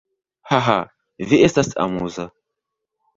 Haha, vi estas amuza.